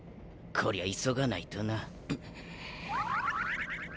こりゃ急がないとな。